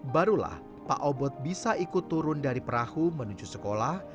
barulah pak obot bisa ikut turun dari perahu menuju sekolah